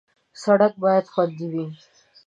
سړک باید خوندي وي.